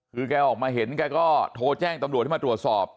คือแกออกมาเห็นแกก็โทรแจ้งตำรวจให้มาตรวจสอบ